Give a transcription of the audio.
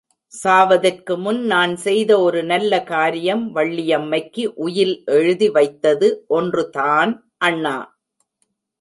சாவதற்கு முன் நான் செய்த ஒரு நல்ல காரியம் வள்ளியம்மைக்கு உயில் எழுதி வைத்தது ஒன்றுதான் அண்ணா.